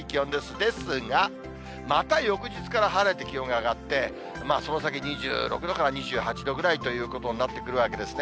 ですが、また翌日から晴れて気温が上がって、その先、２６度から２８度ぐらいということになってくるわけですね。